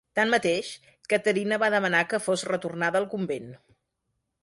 Tanmateix, Caterina va demanar que fos retornada al convent.